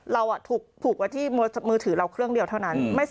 เราถูกผูกไว้ที่มือถือเราเครื่องเดียวเท่านั้น